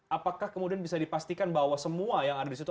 apakah kemudian bisa dipastikan bahwa semua yang ada di situ